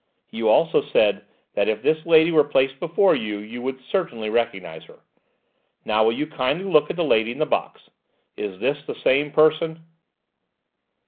You also said that if this lady were placed before you, you would certainly recognise her. Now will you kindly look at the lady in the box: is this the same person?"